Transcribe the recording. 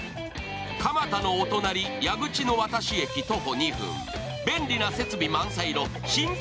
蒲田のお隣矢口渡駅徒歩２分便利な設備満載の新築